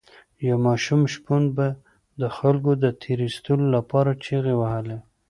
یو ماشوم شپون به د خلکو د تیر ایستلو لپاره چیغې وهلې.